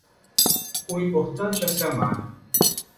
o importante é se amar